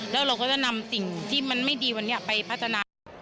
แล้วเราก็จะนำสิ่งที่มันไม่ดีวันนี้ไปพัฒนา